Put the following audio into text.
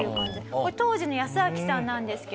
これ当時のヤスアキさんなんですけど。